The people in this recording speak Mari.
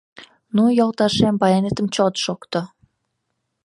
«Ну, йолташем, баянетым чот шокто...»